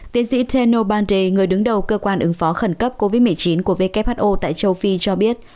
tiến sĩ teno bandry người đứng đầu cơ quan ứng phó khẩn cấp covid một mươi chín của who tại châu phi cho biết